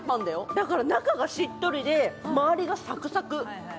だから中がしっとりで周りがサクサク。